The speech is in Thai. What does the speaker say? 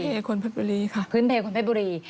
พื้นเพชรคนเพชรบุรีค่ะพื้นเพชรคนเพชรบุรี